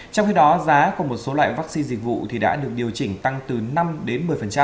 trong khi đó giá của một số loại vaccine dịch vụ đã được điều chỉnh tăng từ năm đến một mươi